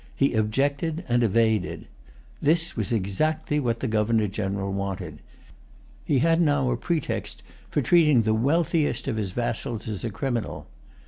He objected and evaded. This was exactly what the Governor General wanted. He had now a pretext for treating the wealthiest of his vassals as a criminal.